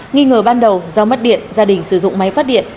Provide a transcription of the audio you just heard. nghi ngờ ban đầu do mất điện gia đình sử dụng máy phát điện